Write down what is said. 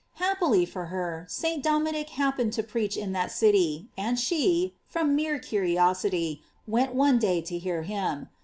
Hap pily for her, St. Dominic happened to preach in that city, and she, from mere curiosity, went one day to hear him.